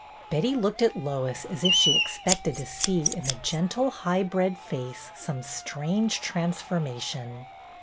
Betty looked at Lois as if she expected to see in the gentle, high bred face some strange transformation.